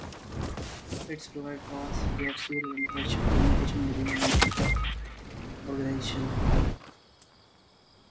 It provides fast, reliable, and efficient communication between individuals or organizations.